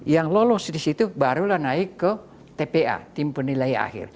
yang lolos di situ barulah naik ke tpa tim penilai akhir